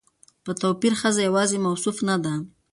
په توپير ښځه يواځې موصوف نه ده